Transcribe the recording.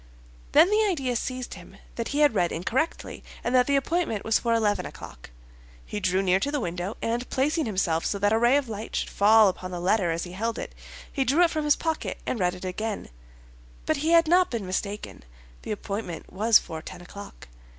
Then the idea seized him that he had read incorrectly, and that the appointment was for eleven o'clock. He drew near to the window, and placing himself so that a ray of light should fall upon the letter as he held it, he drew it from his pocket and read it again; but he had not been mistaken, the appointment was for ten o'clock.